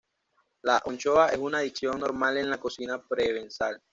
La anchoa es una adición normal en la cocina provenzal.